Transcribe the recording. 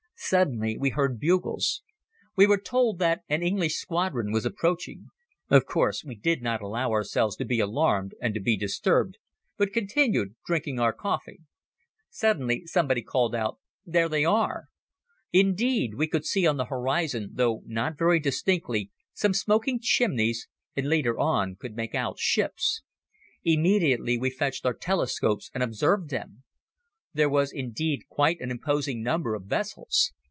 Suddenly we heard bugles. We were told that an English squadron was approaching. Of course we did not allow ourselves to be alarmed and to be disturbed, but continued drinking our coffee. Suddenly somebody called out: "There they are!" Indeed we could see on the horizon, though not very distinctly, some smoking chimneys and later on could make out ships. Immediately we fetched our telescopes and observed them. There was indeed quite an imposing number of vessels.